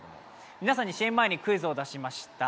皆さんにＣＭ前にクイズをだしました。